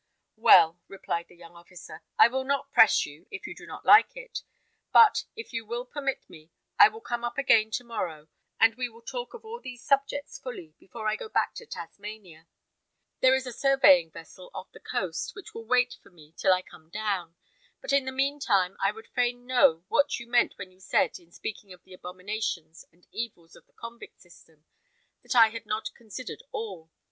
"Well," replied the young officer, "I will not press you, if you do not like it; but if you will permit me, I will come up again to morrow, and we will talk of all these subjects fully, before I go back to Tasmania. There is a surveying vessel off the coast, which will wait for me till I come down; but in the mean time I would fain know what you meant when you said, in speaking of the abominations and evils of the convict system, that I had not considered all.